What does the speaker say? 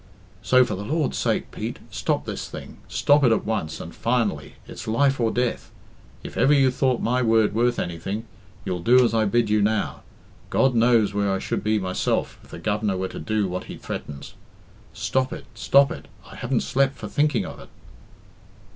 "So, for the Lord's sake, Pete, stop this thing. Stop it at once, and finally. It's life or death. If ever you thought my word worth anything, you'll do as I bid you, now. God knows where I should be myself if the Governor were to do what he threatens. Stop it, stop it; I haven't slept for thinking of it."